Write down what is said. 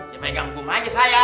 ya megang hukum aja saya